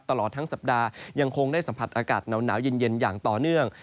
ตลอดทั้งสัปดาห์ยังคงได้สัมผัสอากาศหนาวเย็นอย่างต่อเนื่อง